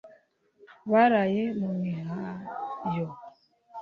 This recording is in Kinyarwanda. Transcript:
baraye mu mihayo